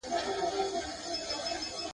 نوري زرکي به په تا څنګه باور کړي !.